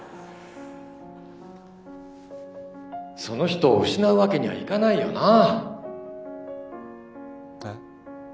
その人を失うわけにはいかないよな。えっ？